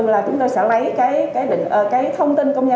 là chúng tôi sẽ lấy cái thông tin công nhân